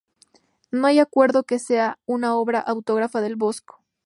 No hay acuerdo en que sea una obra autógrafa del Bosco.